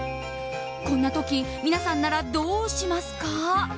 こんな時皆さんならどうしますか？